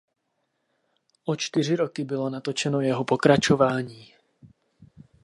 O čtyři roky bylo natočeno jeho pokračování.